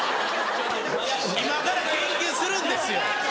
今から研究するんですよ！